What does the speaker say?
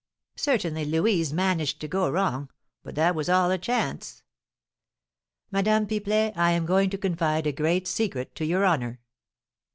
Certainly, Louise managed to go wrong, but that was all a chance." "Madame Pipelet, I am going to confide a great secret to your honour."